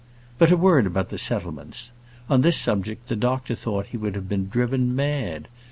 But a word about the settlements. On this subject the doctor thought he would have been driven mad.